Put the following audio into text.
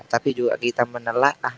tapi juga kita menelak